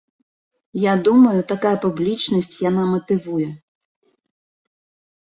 Я думаю такая публічнасць яна матывую.